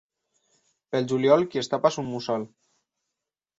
Pel juliol qui es tapa és un mussol.